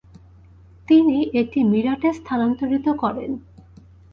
তিনি এটি মিরাটে স্থানান্তরিত করেন।